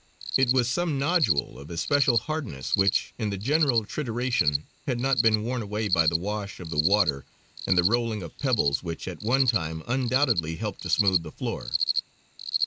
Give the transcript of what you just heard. It was some nodule of especial hardness which in the general trituration had not been worn away by the wash of the water and the rolling of pebbles which at one time undoubtedly helped to smooth the floor.